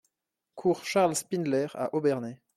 Cour Charles Spindler à Obernai